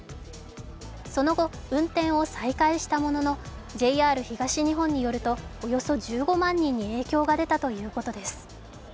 その後、運転を再開したものの、ＪＲ東日本によるとおよそ１５万人に影響が出たということです。